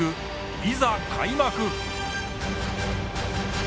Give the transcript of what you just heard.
いざ開幕！